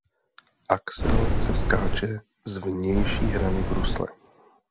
Axel se skáče z vnější hrany brusle.